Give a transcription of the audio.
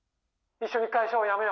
☎一緒に会社を辞めよう。